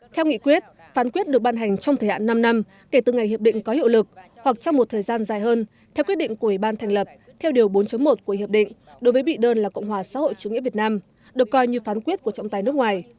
theo nghị quyết phán quyết được ban hành trong thời hạn năm năm kể từ ngày hiệp định có hiệu lực hoặc trong một thời gian dài hơn theo quyết định của ủy ban thành lập theo điều bốn một của hiệp định đối với bị đơn là cộng hòa xã hội chủ nghĩa việt nam được coi như phán quyết của trọng tài nước ngoài